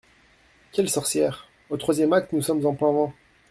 Quelle sorcière ? «Au troisième acte, nous sommes en plein vent.